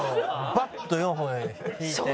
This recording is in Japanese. バッと４本引いて。